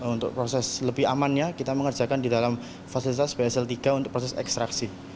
untuk proses lebih amannya kita mengerjakan di dalam fasilitas bsl tiga untuk proses ekstraksi